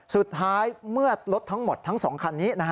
สุดท้ายเมื่อรถทั้งหมดทั้ง๒คันนี้